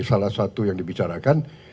salah satu yang dibicarakan